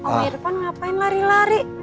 om irfan ngapain lari lari